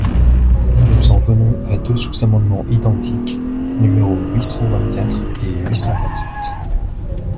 Nous en venons à deux sous-amendements identiques, numéros huit cent vingt-quatre et huit cent vingt-sept.